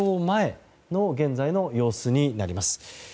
前の現在の様子になります。